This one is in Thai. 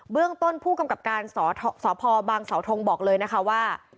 เรื่องต้นผู้กำกับการสพบางสาวทงบอกเลยนะคะว่า